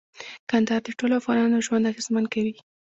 کندهار د ټولو افغانانو ژوند اغېزمن کوي.